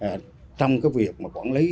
để vi phỏng đến vùng biển nước ngoài